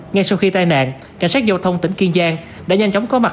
ngay sau khi tai nạn cảnh sát giao thông tỉnh kiên giang đã nhanh chóng có mặt